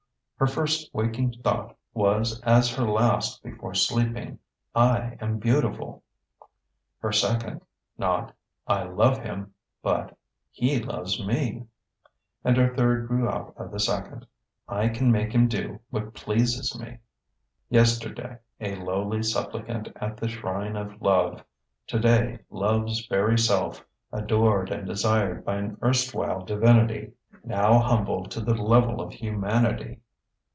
Her first waking thought was as her last before sleeping: I am beautiful. Her second, not I love him, but He loves me. And her third grew out of the second: I can make him do what pleases me. Yesterday a lowly supplicant at the shrine of love: today Love's very self, adored and desired by an erstwhile divinity now humbled to the level of humanity!